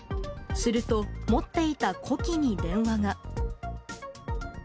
すると、持っていた子機に電話が。